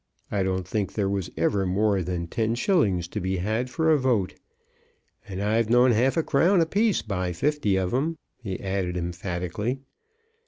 I don't think there was ever more than ten shillings to be had for a vote. And I've known half a crown a piece buy fifty of 'em," he added emphatically.